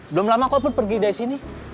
belum lama kok pun pergi dari sini